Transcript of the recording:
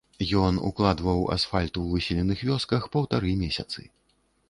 Ён укладваў асфальт у выселеных вёсках паўтары месяцы.